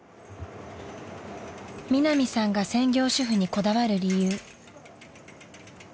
［ミナミさんが専業主婦にこだわる理由］